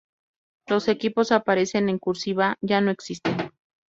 Los equipos que aparecen en "cursiva" ya no existen.